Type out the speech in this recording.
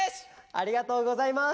ありがとうございます。